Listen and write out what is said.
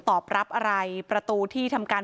พูดใหญ่บ้านเคยขู่ถึงขั้นจะฆ่าให้ตายด้วยค่ะ